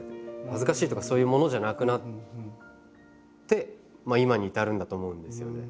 恥ずかしいとかそういうものじゃなくなって今に至るんだと思うんですよね。